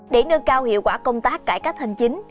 để nâng cao hiệu quả công tác cải cách hành chính